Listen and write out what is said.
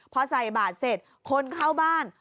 พอใส่บาทเสร็จคนเข้าบ้าน